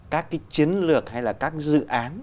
các cái chiến lược hay là các dự án